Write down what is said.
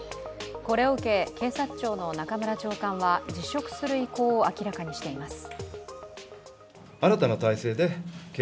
これを受け、警察庁の中村長官は辞職する意向を明らかにしています。